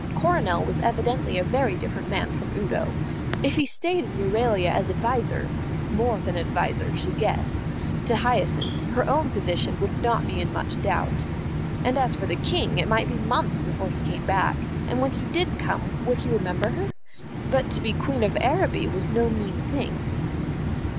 Coronel was evidently a very different man from Udo. If he stayed in Euralia as adviser more than adviser she guessed to Hyacinth, her own position would not be in much doubt. And as for the King, it might be months before he came back, and when he did come would he remember her? But to be Queen of Araby was no mean thing.